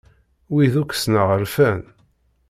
Wid akk ssneɣ rfan.